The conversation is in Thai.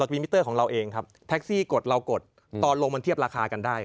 พูดให้ก่อนเป็นยังไง